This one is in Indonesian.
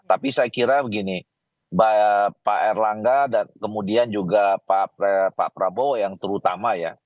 tapi saya kira begini pak erlangga dan kemudian juga pak prabowo yang terutama ya